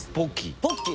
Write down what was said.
ポッキー。